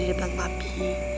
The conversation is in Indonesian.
di depan papi